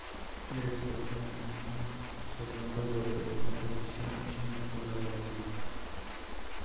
Es, por tanto, no solo un juego de competición sino colaborativo.